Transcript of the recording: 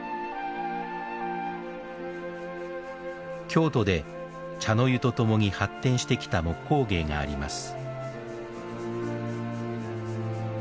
京都で茶の湯と共に発展してきた木工芸があります。